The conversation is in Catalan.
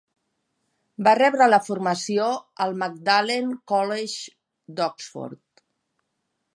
Va rebre la formació al Magdalen College d'Oxford.